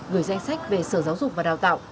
gửi danh sách về sở giáo dục và đào tạo